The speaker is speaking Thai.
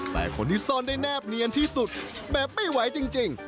แต่คนที่ซ่อนได้แนบเนียนที่สุดแบบไม่ไหวจริง